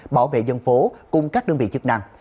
bảo vệ dân phố cùng các đơn vị chức năng